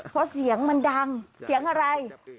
เพราะเสียงมันดังเสียงอะไร